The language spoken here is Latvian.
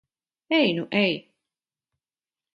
Ej nu ej!